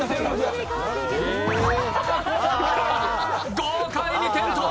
豪快に転倒！